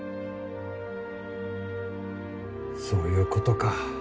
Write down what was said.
そういうことか。